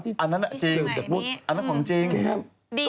ดีจริงใช่มะ